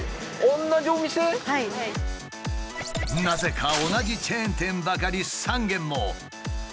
なぜか同じチェーン店ばかり３軒も。